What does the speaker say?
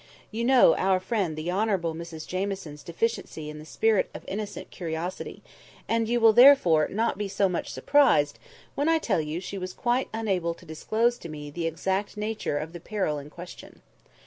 You know our friend the Honourable Mrs Jamieson's deficiency in the spirit of innocent curiosity, and you will therefore not be so much surprised when I tell you she was quite unable to disclose to me the exact nature of the peril in question.